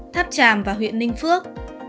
tháp tràm và huyện ninh phước